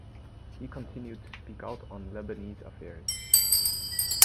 He continued to speak out on Lebanese affairs.